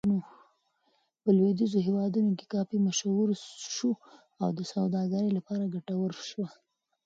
په لویدیځو هېوادونو کې کافي مشهور شو او د سوداګرۍ لپاره ګټوره شوه.